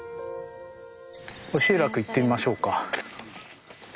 集落行ってみましょうか。